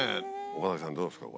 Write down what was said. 岡崎さんどうですか？